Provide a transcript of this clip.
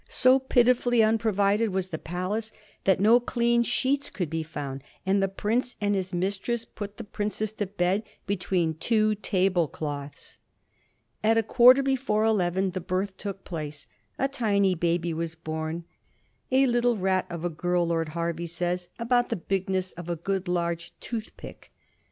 So pitifully unprovided was the palace that no clean sheets could be found, and the prince and his mistress put the princess to bed between two table cloths. At a quarter before eleven the birth took place. A tiny baby was bom; '^a little rat of a girl," Lord Hervey says, "about the bigness of a good large tooth pick."